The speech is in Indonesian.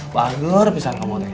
bager pisah kamu teh